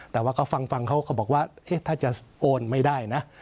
แต่ว่าเขาฟังเขาก็บอกว่าถ้าจะโอนไม่ได้นะ